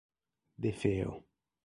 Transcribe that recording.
De Feo